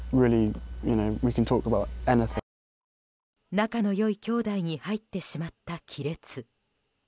仲の良い兄弟に入ってしまった亀裂。